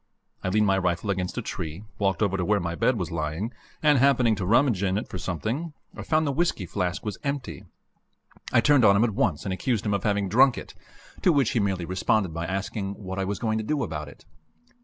I leaned my rifle against a tree, walked over to where my bed was lying, and, happening to rummage in it for something, I found the whisky flask was empty. I turned on him at once and accused him of having drunk it, to which he merely responded by asking what I was going to do about it.